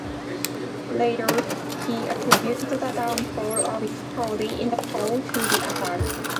Later, he attributed the downfall of his party in the poll to the attack.